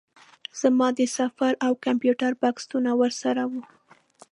زما د سفر او کمپیوټر بکسونه ورسره وو.